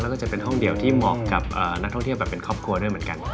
แล้วก็จะเป็นห้องเดียวที่เหมาะกับนักท่องเที่ยวแบบเป็นครอบครัวด้วยเหมือนกัน